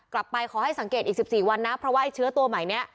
กลับไปขอให้สังเกตอีกสิบสี่วันนะเพราะว่าเชื้อตัวใหม่เนี้ย